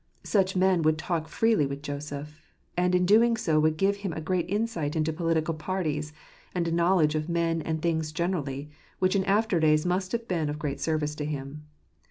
Such men would talk freely with Joseph; and in doing so would give him a great insight into political parties, and a knowledge of men and things generally, which in after days must have been of great service to him.